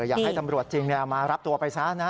อยากให้ตำรวจจริงมารับตัวไปซะนะ